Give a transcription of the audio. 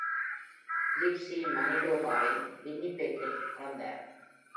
Livesey மனிடோபாவின் வின்னிபெக்கில் பிறந்தார்.